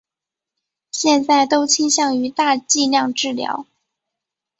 现在都倾向于大剂量治疗。